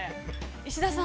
石田さん。